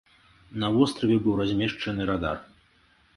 На востраве быў размешчаны радар.